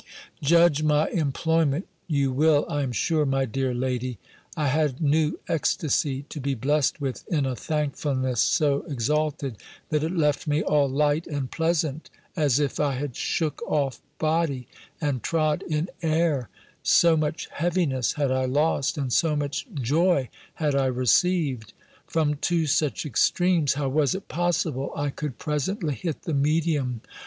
Judge my employment you will, I am sure, my dear lady. I had new ecstasy to be blest with, in a thankfulness so exalted, that it left me all light and pleasant, as if I had shook off body, and trod in air; so much heaviness had I lost, and so much joy had I received. From two such extremes, how was it possible I could presently hit the medium?